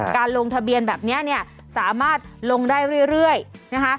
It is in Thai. การลงทะเบียนแบบนี้เนี่ยสามารถลงได้เรื่อยนะคะ